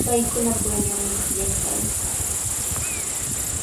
Paykunapurallami pukllaykaayan.